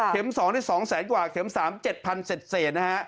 เข็ม๒ได้๒๐๐๐๐๐กว่าเข็ม๓๗๐๐๐เสร็จนะฮะ